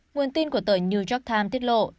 nguồn tin của tờ new york times tiết lộ